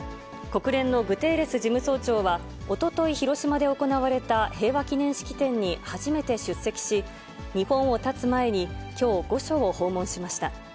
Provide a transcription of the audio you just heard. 国連のグテーレス事務総長は、おととい、広島で行われた平和記念式典に初めて出席し、日本をたつ前に、きょう、御所を訪問しました。